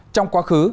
trong quá khứ